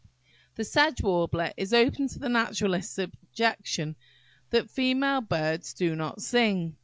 "The Sedge Warbler" is open to the naturalist's objection, that female birds do not sing.